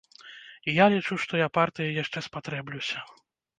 І я лічу, што я партыі яшчэ спатрэблюся.